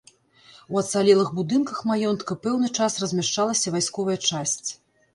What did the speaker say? У ацалелых будынках маёнтка пэўны час размяшчалася вайсковая часць.